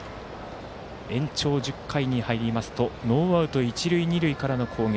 延長１０回に入りますとノーアウト、一塁二塁からの攻撃。